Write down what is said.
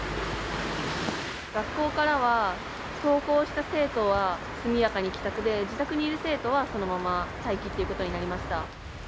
学校からは、登校した生徒は、速やかに帰宅で、自宅にいる生徒はそのまま待機ということになりました。